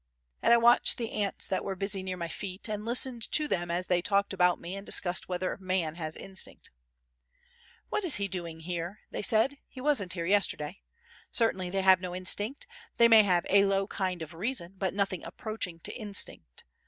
And I watched the ants that were busy near my feet, and listened to them as they talked about me and discussed whether man has instinct. "What is he doing here?" they said; "he wasn't here yesterday. Certainly they have no instinct. They may have a low kind of reason, but nothing approaching to instinct.